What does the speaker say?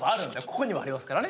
ここにも、ありますからね。